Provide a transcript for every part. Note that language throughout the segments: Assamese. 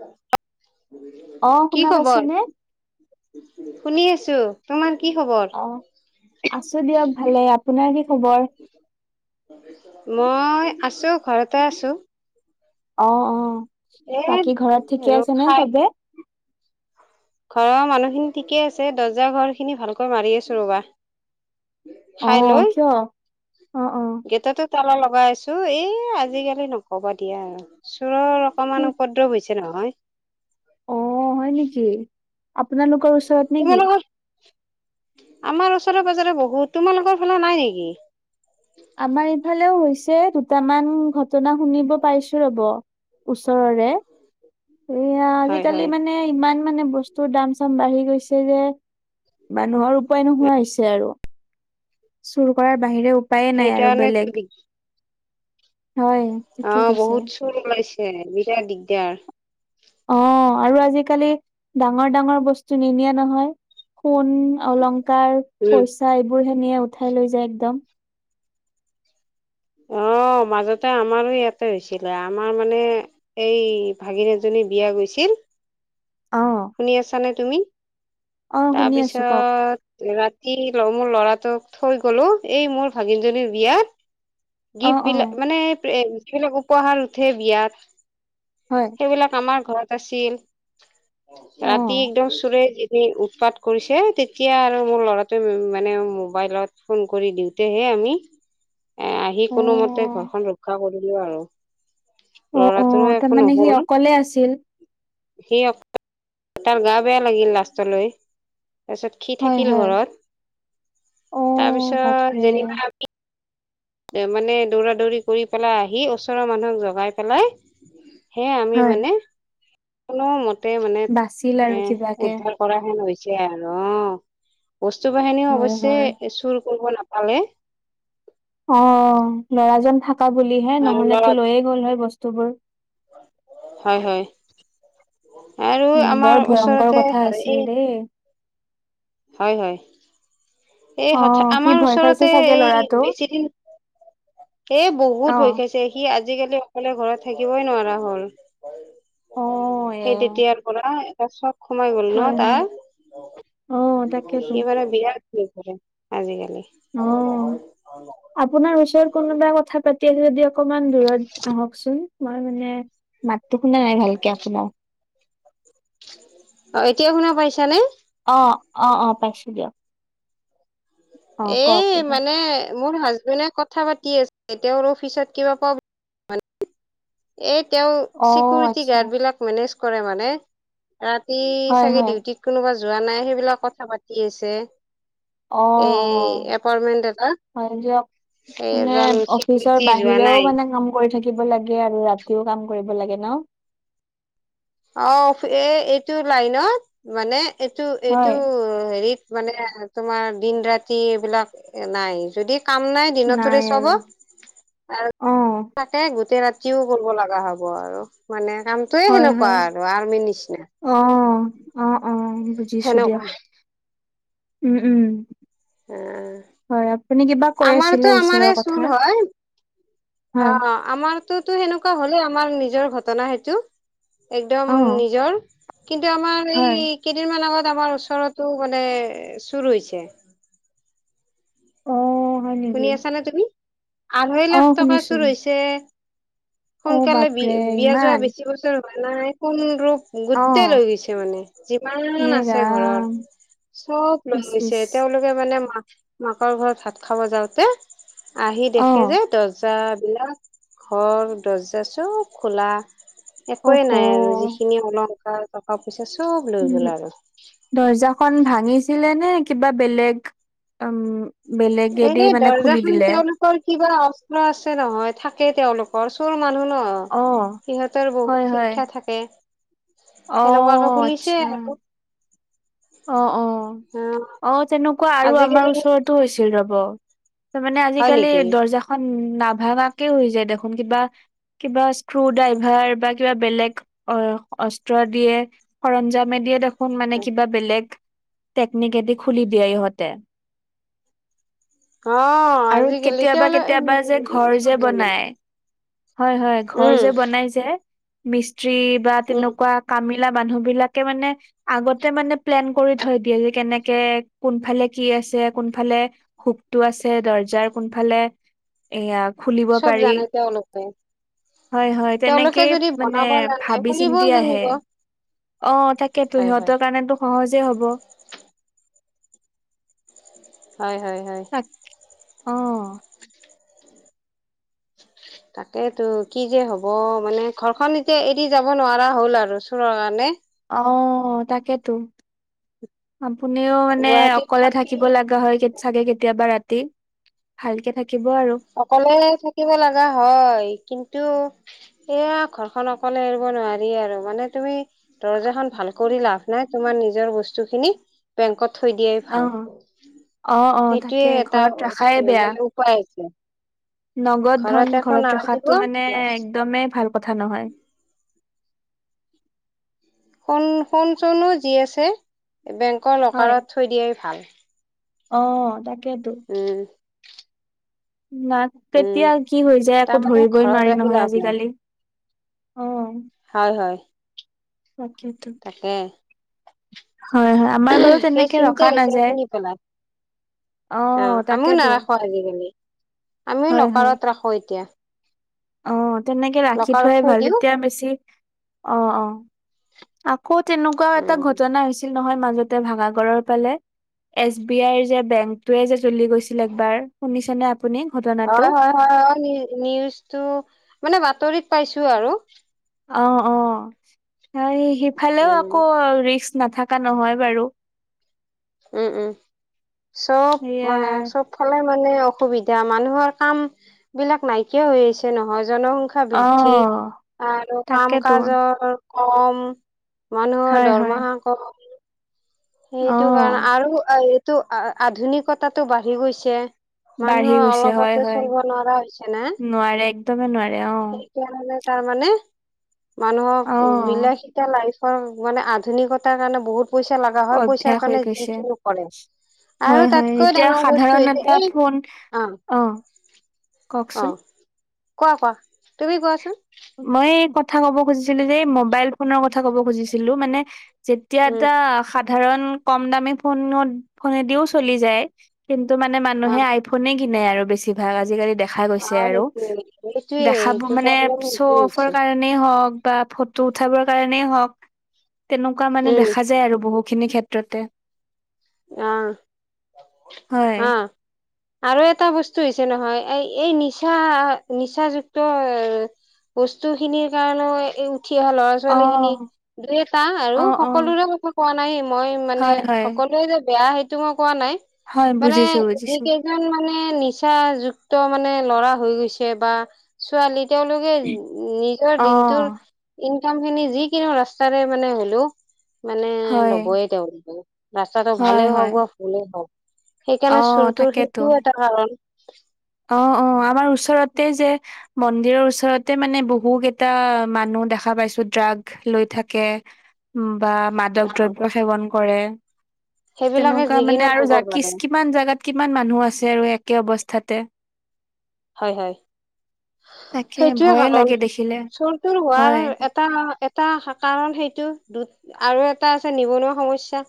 অহ অহ শুনা পাইছে নে শুনি আছো তোমাৰ কি খবৰ? অ আছো দিয়ক ভালে আপোনাৰ কি খবৰ মই আছো ঘৰতে আছো অ অ এ বাকী ঘৰত ঠিকে আৰু আছে নে খাই চবে ঘৰৰ মানুহখিনি ঠিকে আছে দৰ্জা ঘৰ খিনি ভালকৈ মাৰি আছো ৰবা অ খাই লৈ কিয়? অ অ গেটতে তালা লগাই আছো এই আজিকালি নকব দিয়া আৰু চোৰৰ কি অকমান উপদ্ৰৱ হৈছে জে নহয় অ হয় নেকি আপোনালোকৰ ওচৰত নেকি? তোমালোকৰ আমাৰ ওচৰেৰে পাজৰে বহুত তোমালোকৰ ফালে নাই নেকি আমাৰ ইফালেও হৈছে দুটামান ঘটনা শুনিব পাইছো ৰব ওচৰৰে এয়া হয় আজিকালি হয়। মানে ইমান মানে বস্তুৰ দাম চাম বাঢ়ি গৈছে যে মানুহৰ উপায় নোহোৱা হৈছে আৰু চুৰ কৰাৰ বাহিৰেও উপায়ে নাই আৰু সেইকাৰণে বেলেগ হয় ঠিকে অহ কৈছে। বহুত চুৰ ওলাইছে বিৰাট দিগদাৰ অ আৰু আজিকালি ডাঙৰ ডাঙৰ বস্তু নিনিয়ে নহয় সোন অলংকাৰ উম পইচা এইবোৰ সেনিয়ে উঠাই লৈ যায় একদম অ মাজতে আমাৰো ইয়াতে হৈছিলে আমাৰ মানে এই ভাগিন এজনী বিয়া গৈছিল অ', শুনি আছা নে তুমি অ', শুনি আছো কওক। তাৰপিছত কি মোৰ ল'ৰাটোক থৈ গলো এই মোৰ ভাগিনজনীৰ বিয়াত অ', গিফ্ট বিলাক অ', মানে যিবিলাক উপহাৰ উঠে বিয়াত হয়। সেইবিলাক আমাৰ ঘৰত আছিল ৰাতি অ', একদম চোৰে উৎপাত কৰিছে তেতিয়া আৰু মোৰ ল'ৰাটোৱে মানে মোবাইলত ফোন কৰি দিওঁতেহে আমি এ আহি কোনোমতে অ', ঘৰখন ৰক্ষা কৰিলো আৰু। অ', ল'ৰাটো অ', একো তাৰমানে সি নহল অকলে আছিল। সি আকৌ তাৰ গা বেয়া লাগিল লাচতলৈ। তাৰপিছত সি হয়, থাকিল হয়। ঘৰত অ', তাৰপিছত বাপৰে। যেনিবা আমি। মানে দৌৰা দৌৰি কৰি পেলাই আহি ওচৰৰ মানুহক জগাই পেলাই। সে আমি হয়। মানে কোনো মতে মানে বাচিল আৰু এ কিবাকে। উদ্ধাৰ কৰাহে নহৈছে। যে আৰহ বস্তু- বাহনিও হয়, অৱশ্যে হয়। এ ইছুল। কৰিব নাপালে। অহ ল'ৰাজন থাকা বুলিহে আৰু নহলেতো লৰাত লৈয়ে গ'ল হয় বস্তুবোৰ। হয় হয়। আৰু হয়, বৰ আমাৰ ভয়ংকৰ ওচৰতে কথা আছিল এই দেই। হয় হয় এই অ', হঠাৎ সি আমাৰ ভয় খাইছে ওচৰতে চাগে এই ল'ৰাটো। বেছিদিন এ বহুত ভয় অ'। খাইছে সি আজিকালি অকলে ঘৰত থাকিবই নোৱাৰা হ'ল। অ', এ। সেই তেতিয়াৰ পৰা এটা চব সোমাই গল ন হয়, তা হয়, অ', তাকেতো সি মানে বিৰাত সে কৰে আজিকালি অ আপোনাৰ ওচৰত কোনোবা কথা পাতি আছো যদি অকমান দূৰত আহকচোন মই মানে ম তখ ন নাই ভালকে আপোনাৰ অ এতিয়া শুনা পাইছানে। অ অ অ পাইছো দিয়ক। অ', কওক এ এতিয়া। মানে। মোৰ হাজবেণ্ডে কথা পাতি আছে তেওঁৰ অফিচত কিবা পাব। এই তেওঁ অ', চিকিউৰিটি আচ্ছা, গাৰ্ড বিলাক মেনেজ কৰে মানে ৰাতি হয়, চাগে হয়, ডিউটিত কোনোবা যোৱা নাই সেইবিলাক কথা পাতি আছে। অ', এই অ'। এপইটমেণ্ট এটা। হয় দিয়ক, এ মানে যান স অফিচৰ কৰিতি যোৱা বাহিৰেও নাই। মানে কাম কৰি থাকিব লাগে আৰু ৰাতিও কাম কৰিব লাগে ন। অ এই এইটো লাইনত মানে এইটো এইটো হয়, হেৰিত। মানে তোমাৰ দিন ৰাতি এইবিলাক এই নাই যদি। কাম নাই দিনতোৰে চব আৰু অ', থাকে গোটেই ৰাতি। যিয়ো কৰিব লগা হ'ব আৰু মানে কামটোয়ে হয়, সেনেকুৱা হয়, আৰু আৰ্মি নিচিনা। অ'। অ অ বুজিছো দিয়ক সেনেকুৱা উম উম। অ', হয় আপুনি কিবা কৈ আমাৰতো আছিলে আমাৰে ওচৰৰ চুৰ কথা। হয় অ হয় আমাৰ, আমাৰতো সেনেকুৱা হ'লে আমাৰ নিজৰ ঘটনা সেইটো একদম অ নিজৰ। কিন্তু আমাৰ হয় এই কেইদিনমান আগত আমাৰ ওচৰতো মানে চুৰ হৈছে। অ। হয় শুনি নেকি আছা নে তুমি আঢ়ৈ অ লাখ টকা শুনিছো চুৰ হৈছে। অ সোনকালে বাপৰে বিয়া যোৱা ইমান বেছি বছৰ হোৱা নাই কোন ৰূপ। অ গোটেই লৈগৈছে মানে এ যিমান আছে ৰাম ঘৰত। চব লৈ ইচ গৈছে ইচ তেওঁলোকে মানে মা। মাকৰ ঘৰত ভাত খাব যাওঁতে আহি অ দেখে যে দহ। জা বিলাক ঘৰ দৰ্জা চব খোলা। একোয়ে অহ নাই আৰু যিখিনি অলংকাৰ টকা পইচা। চব লৈ গ'ল উম আৰু দৰ্জাখন ভাঙিছিলে নে। কিবা বেলেগ উম। বেলেগেদি এই মানে দৰ্জা খুলি খন দিলে তেওঁলোকৰ কিবা অস্ত্ৰ আছে নহয় থাকে তেওলোকৰ চোৰ। মানুহ ন অ সিহঁতৰ হয় বহুত হয় শিক্ষা থাকে। অ সেনেকুৱাকে খুলিছে আচ্ছা। আৰু অ অ অ তেনেকুৱা আৰু আমাৰ আজিকালি ওচৰতো হৈছিল ৰব তাৰ মানে হয় আজিকালি নেকি দৰ্জাখন নাভঙাকে হৈ যায় দেখোন কিবা কিবা স্ক্ৰু ড্ৰাইভাৰ বা কিবা বেলেগ অ অস্ত্ৰ দিয়ে সৰঞ্জামে দিয়ে দেখ ফোন মানে কিবা বেলেগ টেকনিক এদি খুলি দিয়ে ইহঁতে অ আৰু আজিকালি কেতিয়াবা তেওঁলোকে কেতিয়াবা যে ঘৰ চব যে জানে বনাই হয় হয় ঘৰ উম যে বনাই যে মিস্ত্ৰী বা উম তেনেকুৱা কামি মানুহ বিলাকে মানে আগতে মানে প্লেন কৰি থৈ দিয়ে যে, কেনেকে কোনাফাঁলে কি আছে কোনফালে সুকটো আছে দৰ্জাৰ কোনফালে এয়া খুলিব চব পাৰি জানে তেওঁলোকে। হয় হয় তেওঁলোকে তেনেকেই যদি মানে বনাব জানে ভাবি খুলিবও চিন্তি আহে, জানিব অ তাকেতো হয় হয় সিহঁতৰ কাৰণেতো সহজেই হব। হয় হয় হয় অঁ তাকেইেতো কি যে হ'ব মানে ঘৰখন এতিয়া এৰি যাব নোৱাৰা হ'ল আৰু চোৰৰ কাৰণে অ তাকেতো আপুনিও মানে গুৱাহাটীত অকলে থাকি থাকিব লগা হয়। চাগে কেতিয়াবা ৰাতি ভালকে থাকে অকলে থাকিব লগা হয় কিন্তু এয়া ঘৰখন অকলে এৰিব নোৱাৰি আৰু মানে তুমি দৰ্জা খন ভাল কৰি লাভ নাই তোমাৰ নিজৰ বস্তুখিনি বেংকত থৈ দিয়াই অ ভাল অ অ সেইটোৱে তাকে এটা ঘৰত ৰখাই বেয়া মানে উপায় নগদ ধন একো ঘৰত নাৰাখিব ৰখাতটো মানে বাছ একদমেই ভাল কথা নহয় শোন শুণ চোনো যি আছে বেংকৰ হয় লকাৰত থৈ দিয়াই ভাল অ তাক উম নাক উম কেতিয়া কি হৈ যায় আক তাৰমানে ধৰিবই ঘৰত নোৱাৰি ৰাখি নহয় লাভ নাই আজিকালি অ হয় হয় তাকেইটো তাকে হয় হয় আমাৰ বাৰু সেই তেনেকে চিন্তাই ৰখা আহিছে নাযায় শুনি পেলাই অ আহ আমিও তাকেইতো নাৰাখো আজিকালি আমিও লকাৰত ৰাখো এতিয়া অ তেনেকে ৰাখি লকাৰত থোৱাই থৈ ভাল দিও তেতিয়া বেছি অ অ ক'ত তেনেকুৱাও এটা উম ঘটনা হৈছিল নহয় মাজতে ভঙা গৰৰ ফালে এছ বি আইৰ যে বেংক য়ে যে চলি গৈছিল একবাৰ শুনিছনেে হয় হয় হয় নিউজটো মানে বাতৰিত পাইছো আৰু অ অ সিফালেও উম আকৌ ৰিছ নাথকা নহয় বাৰু উম উম চব সেয়া মানে চব ফালে মানে অসুবিধা মানুহৰ কাম বিলাক নাইকিয়া হৈ আছে নহয় জনসংখ্যা অ বৃদ্ধি আৰু কাম তাকেতো কাজৰ কম মানুহৰ হয় হয় দৰমহা কৰ অ সেইটো কাৰণে আৰু এইটো আধুনিকতাটো বাঢ়ি গৈছে বাঢ়ি মানুহৰ গৈছে হয় অলপতে চলিব নোৱাৰা হৈছে না একদমে নোৱাৰে অ তাৰ মানে অ মানুহক বিলাহীটা লাই মানে আধুনিকতাৰ কাৰণে বহুত পইচা লগা হয় পইচাৰ অভ্যাস হৈ কাৰণে যি গৈছে কিনো কৰে। আৰু হয় হয় তাতকৈ এতিয়া ডাঙৰ বস্তু সাধাৰণ হৈছে এটা এই ফোন অ অ কওকচোন। কোৱা কোৱা তুমি কোৱাচোন মই কথা ক'ব খুজিছিলো যে মোবাইল ফোনৰ কথা ক'ব খুজিছিলো মানে যেতিয়া উম এটা সাধাৰণ কম দামী ফোনত ফোনেদিও চলি যায় কিন্তু মানে অ মানুহে আইফোনে কিনে আৰু বেছিভাগ আজিকালি দেখা অ গৈছে আৰু সেইটোয়ে সেইটোয়ে দেখা পো সেইটো মান প্ৰব্লেম শ্ব' সেইটোয়ে অফৰ হৈছে কাৰণে হক বা ফটো উঠাবৰ কাৰণে হওক, তেনেকুৱা মানে উম দেখা যায় আৰু বহুখিনি ক্ষে ত্ৰতে। আহ হয় আহ। আৰু এটা বস্তু হৈছে নহয় এই এই নিচা নিচাযুক্ত এ বস্তু খিনিৰ কাৰণেও, উঠি অহা ল'ৰা অ ছোৱালী খিনি দুই এটা আৰু অ অ সকলোৰে কথা কোৱা নাই মই মানে, হয় হয় সকলোৱে বেয়া সেইটো মই কোৱা নাই হয় মানে বুজিছো যি বুজিছো। কেইজন মানে নিচা যুক্ত। মানে ল'ৰা হৈ গৈছে বা ছোৱালী। তেওঁলোকে নিজৰ দিনটোৰ। অ', কাম খিনি যিকিনো ৰাস্তাৰে মানে হলেও মানে হয়, লবই তেওঁলোকে। ৰাস্তাটো হয়, ভালেই হওক হয়। বা ভুলেই হওক সেইকাৰণে অ', চুৰটোৰ তাকেতো সেইটোও এটা কাৰণ। অ অ আমাৰ ওচৰতে যে মন্দিৰৰ ওচৰতে মানে বহুকেইটা মানুহ। দেখা পাইছো ড্ৰাগ লৈ থাকে বা মাদক দ্ৰব্য সেৱন কৰে। সেইবিলাকে তেনেকুৱা যি মানে কিনো আৰু কৰিব জাকিচ পাৰে কিমান জেগাত কিমান মানুহ আছে আৰু একে অৱস্থা। হয় হয়। তাকে সেইটোৱে ভয়ে কাৰণ লাগে দেখিলে চুৰটোৰ হোৱাৰ হয়। এটা। তা হা কাৰণ সেইটো দুত আৰু এটা আছে নিবনুৱা সমস্যা।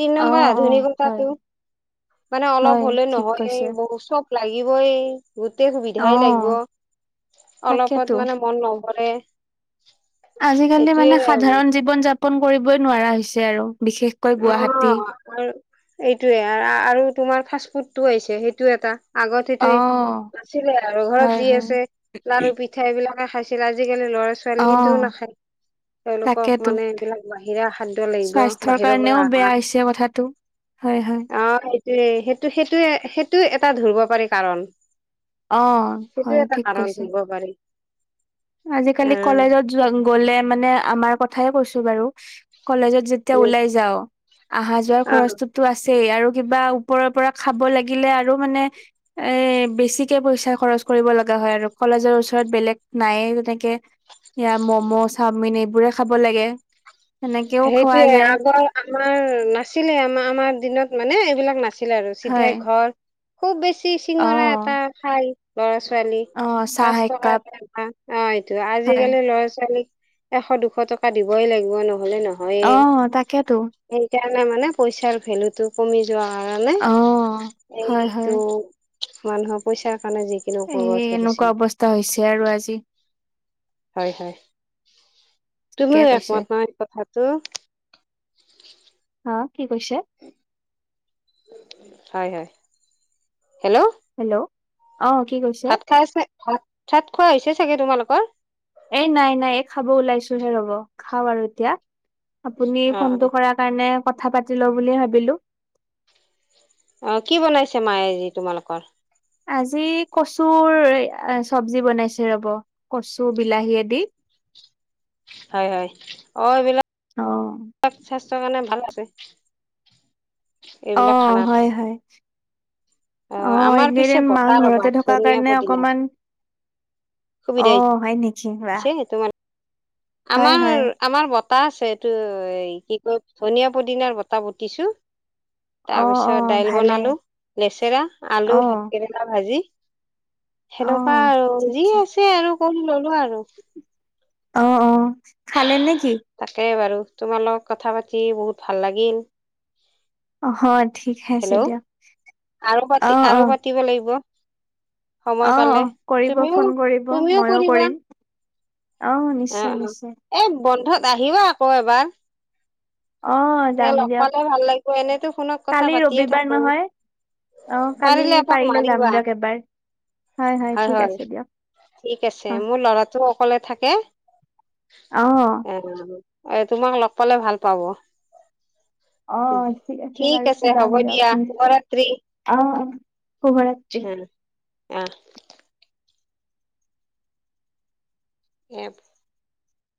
তিন অ', নম্বৰ অ', হয়, আধুনিকতাটো মানে অলপ হয় হ'লে ঠিক নহয় কৈছে বহুত চব। লাগিবই গোটেই সুবিধাই লাগিব অ', অলপত তাকেতো। মানে মন লওঁ। কৰে। আজিকালি মানে সাধাৰণ জীৱন যাপন কৰিবই নোৱাৰা হৈছে আৰু। বিশেষকৈ অ গুৱাহাটী। আৰু এইটোয়ে আৰু তোমাৰ খাচ। ফুটটো আহিছে সেইটো এটা। আগতেই অ টো নছিলে আৰু ঘৰত হয় যি হয় আছে লাৰু, পিঠা এইবিলাকে খাইছিল আজি আজিকালি ল'ৰা -ছোৱালী অ সেইটোও নাখায়, তেওঁলোকক তাকেতো মানে এইবিলাক বাহিৰা খাদ্য লাগিব। থৰ বাহিৰৰ কাৰণেও পৰা আহা বেয়া হৈছে কথাটো হয় হয়। অ সেইটোয়ে সেইটো সেইটোয়ে সেইটো এটা ধৰিব পাৰি কাৰণ। অ সেইটোয়ে হয় এটা ঠিক কাৰণ কৈছে ধুলব পাৰি। অ আজিকালি কলেজত যোৱা গলে মানে আমাৰ কথাই কৈছো বাৰু কলেজত যেতিয়া ওলাই যাওঁ, আহা যোৱা অ খৰচটোতো আছ সেই আৰু কিবা ওপৰৰ পৰা খাব লাগিলে আৰু মানে এ বেছিকে পইচা খৰচ কৰিব লগা হয় আৰু কলেজৰ ওচৰত বেলেগ নাইয়ে তেনেকে এইয়া ম'ম', চাওমিন এইবোৰে খাব লাগে। সেনেকেও খোৱা সেইটোয়ে যায় আগৰ আমাৰ নাছিলে, আমাৰ আমাৰ দিনত মানে এইবিলাক নাছিলে আৰু হয় চিধাই ঘৰ খুব বেছি টি অ চিঙৰা এটা খাই ল'ৰা -ছোৱালী অ চাহ পাঁচ টকা একাপ এটা এটা অ। ত হয় আজিকালি ল'ৰা -ছোৱালীক এশ- দুশ টকা দিবই লাগিব ন। হ'লে অ নহয়েই, তাকেতো সেইকাৰণে মানে পইচাৰ ভেলুটো কমি যোৱা কাৰণে অ হয় হয় এইটো মানুহৰ পইচা সেইকাৰণে যিকিনো এই কব এনেকুৱা ধৰিছিল অৱস্থা হৈছে আৰু আজি হয় হয়। ঠিকে তুমিও কৈছে একমত নহয় কথাটো। অ কি কৈছে? হয় হয়। হেল্ল'! হেল্ল' অ কি কৈছে? ভাত খাই আছে ভাত -চাত খোৱা হৈছে চাগে তোমালোকৰ? এ নাই নাই এই খাব ওলাইছোহে ৰব খাওঁ আৰু এতিয়া। আপুনি অ ফোনটো অ কৰাৰ কাৰণে কথা পাতি লওঁ বুলি ভাবিলোঁ। অ কি বনাইছে মায়ে আজি তোমালোকৰ আজি কচুৰ চব্জি বনাইছে ৰ'ব কচু বিলাহীয়ে দি [unintelligible] হয় হয় অ এইবিলাক অ স্বাস্থ্য কাৰণে ভাল আছে। অ এইবিলাক খানাত হয় হয়। অ আমাৰ পিছে এইকেইদিন মা বতাহ ৰবা ঘৰতে থকা ধনিয়া কাৰণে পদিনাৰ অকমান সুবিধা অ হয় নেকি হৈছে ৱাহ! তোমাৰ আমাৰ আমাৰ ব পাছ এইটো কি কয় ধনীয়া পুদিনাৰ বতাহ পতিছো। তাৰ অ অ পিছত দাইল ভালে বনালো, লেচেৰা, আলু অ ভাতকেৰেলা ভাজি। অ সেনেকুৱা আৰু যি ঠিকে আছে আৰু কৰি ললো আৰু। অ অ খালে নেকি? তাকে বাৰু তোমাৰ লগত কথা পাতি বহুত ভাল লাগিল। অহ ঠিক আছে হেল্ল' দিয়ক আৰু পাতি অ আৰু অ। পাতিব লাগিব সময় অ পালে অ কৰিব তুমিও ফোন কৰিব তুমিও মইয়ো কৰিবা? কৰিম অ নিশ্চয় নিশ্চয় এই বন্ধত আহিবা আকৌ এবাৰ। অ এয়া যাম লগ দিয়ক পালে ভাল লাগিব এনেইতো কালি ৰবিবাৰ নহয়, অ কালি এপাক পাৰিলে যাম মাৰিবা দিয়ক এবাৰ। হয় ঠিক হয়, আছে দিয়ক ঠিক আছে অ মোৰ ল'ৰাটো অকলে থাকে। অ এ তোমাক লগ পালে ভাল পাব। অ ঠিক আছে বাৰু হ'ব যাম দিয়া দিয়ক নিশ্চয় শুভৰাত্ৰি অ অ। শুভৰাত্ৰি। আহ। এপ